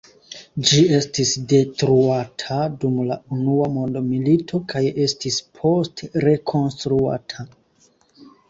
Ĝi estis detruata dum la Unua Mondmilito kaj estis poste rekonstruata.